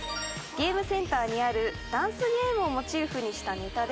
ゲームセンターにあるダンスゲームをモチーフにしたネタで。